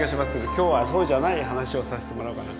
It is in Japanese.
今日はそうじゃない話をさせてもらおうかな。